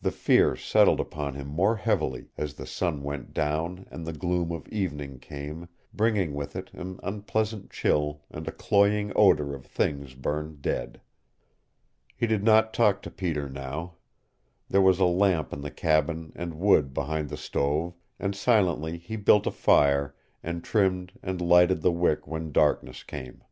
The fear settled upon him more heavily as the sun went down and the gloom of evening came, bringing with it an unpleasant chill and a cloying odor of things burned dead. He did not talk to Peter now. There was a lamp in the cabin and wood behind the stove, and silently he built a fire and trimmed and lighted the wick when darkness came.